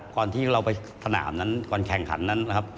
ก่อนที่เราไปสนามนั้นก่อนแข่งขันนั้นนะครับ